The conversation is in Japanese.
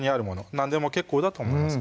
何でも結構だと思います